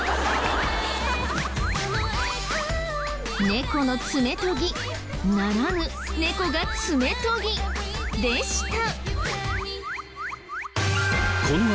「猫の爪研ぎ」ならぬ「猫が爪研ぎ」でした。